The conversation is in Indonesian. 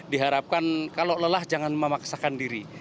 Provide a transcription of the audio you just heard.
diharapkan kalau lelah jangan memaksakan diri